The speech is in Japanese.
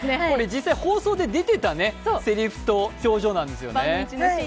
実際、放送で出てたせりふと表情なんですよね。